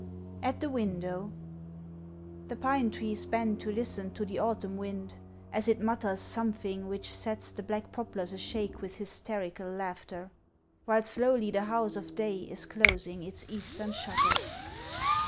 AT THE WINDOW THE pine trees bend to listen to the autumn wind as it mutters Something which sets the black poplars ashake with hysterical laughter; While slowly the house of day is closing its eastern shutters.